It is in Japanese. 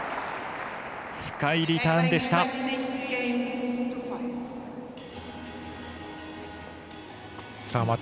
深いリターンでした。